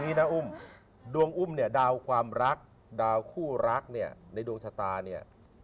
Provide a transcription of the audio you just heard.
นะอุ้มดวงอุ้มเนี่ยดาวความรักดาวคู่รักเนี่ยในดวงชะตาเนี่ย